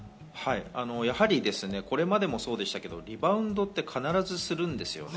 これまでもそうでしたが、リバウンドって必ずするんですよね。